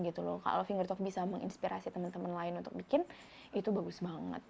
kalau finger talk bisa menginspirasi teman teman lain untuk bikin itu bagus banget